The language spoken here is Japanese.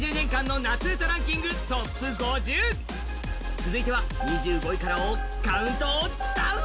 続いては２５以下からをカウントダウン。